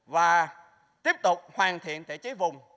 và tiếp tục hoàn thiện thể chế vùng